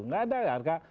nggak ada harga